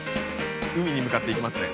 海に向かっていきますね。